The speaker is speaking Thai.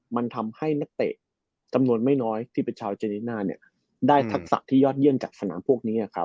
มันทำให้นักเตะจำนวนไม่น้อยที่เป็นชาวเจนิน่าได้ทักษะที่ยอดเยี่ยมจากสนามพวกนี้